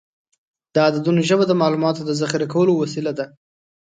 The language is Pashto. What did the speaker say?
د عددونو ژبه د معلوماتو د ذخیره کولو وسیله ده.